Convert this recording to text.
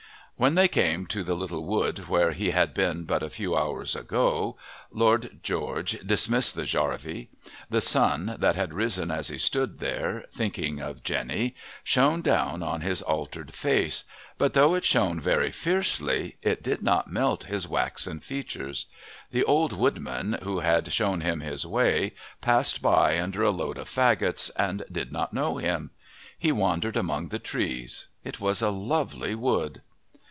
When they came to the little wood where he had been but a few hours ago, Lord George dismissed the jarvey. The sun, that had risen as he stood there thinking of Jenny, shone down on his altered face, but, though it shone very fiercely, it did not melt his waxen features. The old woodman, who had shown him his way, passed by under a load of faggots and did not know him. He wandered among the trees. It was a lovely wood.